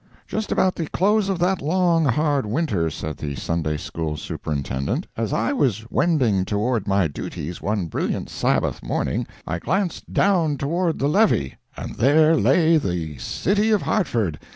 "Just about the close of that long, hard winter," said the Sunday school superintendent, "as I was wending toward my duties one brilliant Sabbath morning, I glanced down toward the levee, and there lay the City of Hartford!